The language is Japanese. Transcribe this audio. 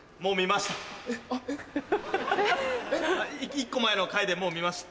１個前の回でもう見ました。